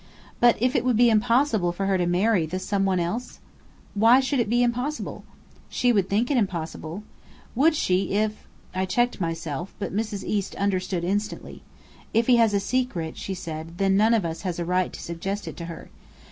"But, if it would be impossible for her to marry the some one else?" "Why should it be impossible?" "She would think it impossible." "Would she, if " I checked myself, but Mrs. East understood instantly. "If he has a secret," she said, "then none of us has a right to suggest it to her.